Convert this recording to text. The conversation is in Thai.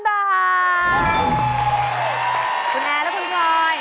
คุณแอร์และคุณพลอย